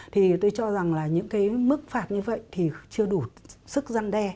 thì tôi cho rằng là những cái mức phạt như vậy thì chưa đủ sức gian đe